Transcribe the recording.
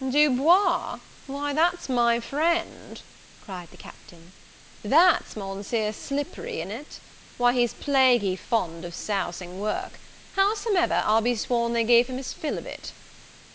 "Du Bois! why, that's my friend," cried the Captain, "that's Monseer Slippery, i'n't it? Why, he's plaguy fond of sousing work; howsomever, I'll be sworn they gave him his fill of it."